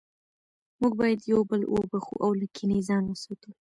موږ باید یو بل وبخښو او له کینې ځان وساتو